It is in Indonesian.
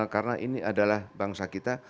karena ini adalah bangsa kita